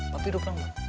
papi udah pulang mbak